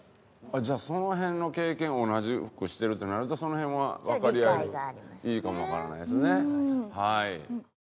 じゃあその辺の経験を同じくしてるってなるとその辺はわかり合えるいいかもわからないですねはい。